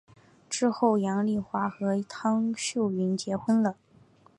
之后杨棣华和汤秀云结婚了。